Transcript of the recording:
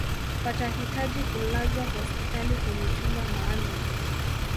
watahitaji kulazwa hospitali kwenye chumba maalum